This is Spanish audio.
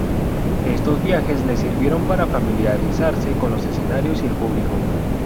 Estos viajes le sirvieron para familiarizarse con los escenarios y el público.